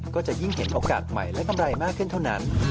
ก็จะยิ่งเห็นโอกาสใหม่และกำไรมากขึ้นเท่านั้น